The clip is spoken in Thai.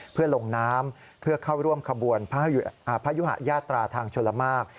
เพื่อลงน้ำเพื่อเข้าร่วมขบวนพยุหะยาตราทางชลมาก